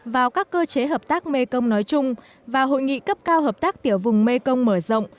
vào các cơ chế hợp tác mekong nói chung và hội nghị cấp cao hợp tác tiểu vùng mekong mở rộng